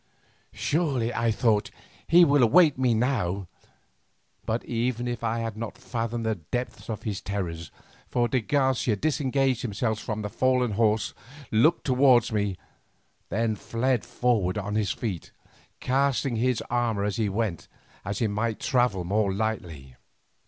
Surely, I thought, he will await me now. But even I had not fathomed the depth of his terrors, for de Garcia disengaged himself from the fallen horse, looked towards me, then fled forward on his feet, casting away his armour as he went that he might travel more lightly.